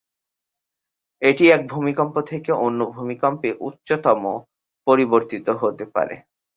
এটি এক ভূমিকম্প থেকে অন্য ভূমিকম্পে উচ্চতম পরিবর্তিত হতে পারে।